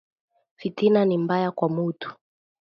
Fitina ni mbaya kwa mutu